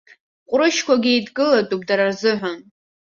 Ҟәрышьқәакгьы еидкылалатәуп дара рзыҳәан.